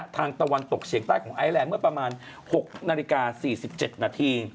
ตะวันตกเฉียงใต้ของไอแลนด์เมื่อประมาณ๖นาฬิกา๔๗นาที